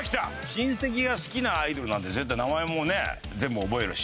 親戚が好きなアイドルなんて絶対名前もね全部覚えるし。